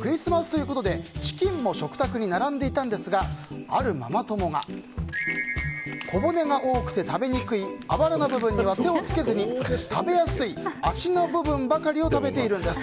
クリスマスということでチキンも食卓に並んでいたんですがあるママ友が小骨が多くて食べにくいあばらの部分には手を付けずに食べやすい脚の部分だけを食べているんです。